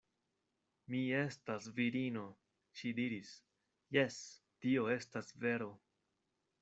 Mi estas virino, ŝi diris, jes, tio estas vero.